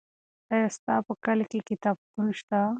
آیا ستا په کلي کې کتابتون شته؟